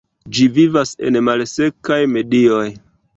Ĝi vivas en malsekaj medioj.